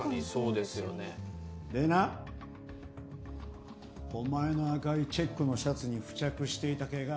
でなお前の赤いチェックのシャツに付着していた毛が。